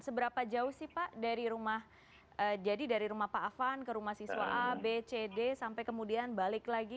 seberapa jauh sih pak dari rumah jadi dari rumah pak afan ke rumah siswa a b c d sampai kemudian balik lagi